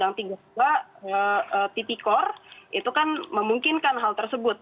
itu ya uu tiga dua ttikor itu kan memungkinkan hal tersebut